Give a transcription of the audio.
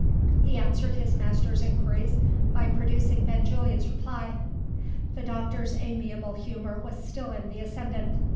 He answered his master's inquiries by producing Benjulia's reply. The doctor's amiable humour was still in the ascendant.